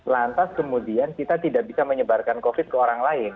lantas kemudian kita tidak bisa menyebarkan covid ke orang lain